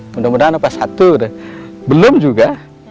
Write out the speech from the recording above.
mudah mudahan apa satu belum juga